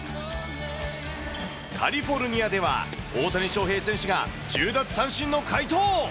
カリフォルニアでは、大谷翔平選手が１０奪三振の快投。